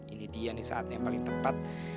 ini dia nih saatnya yang paling tepat